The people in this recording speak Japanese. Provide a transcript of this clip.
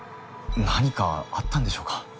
何かあったんでしょうか？